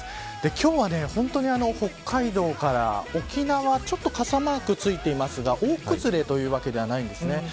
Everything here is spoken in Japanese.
今日は北海道から沖縄ちょっと傘マークついていますが大崩れではないんですね。